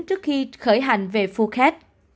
trước khi khởi hành về phuket